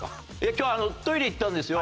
今日トイレ行ったんですよ。